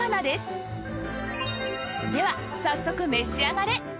では早速召し上がれ！